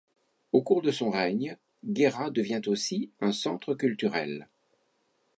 Au cours de son règne, Gera devient aussi un centre culturel.